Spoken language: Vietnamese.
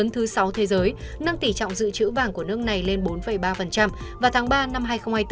lớn thứ sáu thế giới nâng tỷ trọng dự trữ vàng của nước này lên bốn ba vào tháng ba năm hai nghìn hai mươi bốn